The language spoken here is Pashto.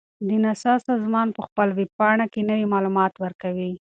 د ناسا سازمان په خپل ویب پاڼه کې نوي معلومات ورکوي.